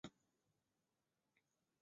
原产地从中南半岛到中国。